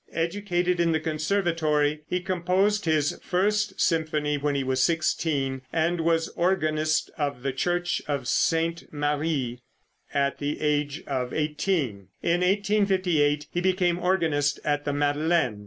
Educated in the Conservatory, he composed his first symphony when he was sixteen, and was organist of the Church of St. Marri at the age of eighteen. In 1858 he became organist at the Madeleine.